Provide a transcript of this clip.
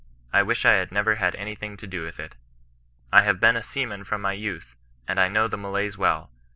I wish I had never had anything to do with it. I have been a seaman from my youth, and I know the Malays well.